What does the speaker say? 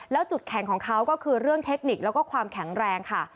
แล้วจุดแข็งของเขาก็คือเรื่องเทคนิคแล้วก็ความแข็งแรงค่ะ